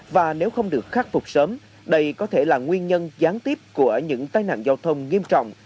và nếu không được khắc phục sớm đây có thể là nguyên nhân gián tiếp của những tai nạn giao thông nghiêm trọng